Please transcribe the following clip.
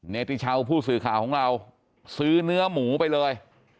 เนติชาวผู้สื่อข่าวของเราซื้อเนื้อหมูไปเลย